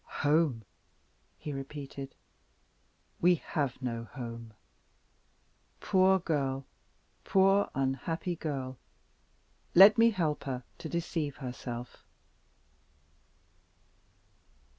"Home?" he repeated; "we have no home. Poor girl! poor unhappy girl! Let me help her to deceive herself."